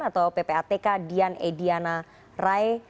atau ppatk dian ediana rai